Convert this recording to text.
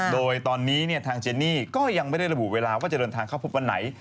โดยตอนนี้ทางเจนี่ก็ยังไม่ได้ระบุเวลาว่าจะเดินทางเข้าพบวันไหน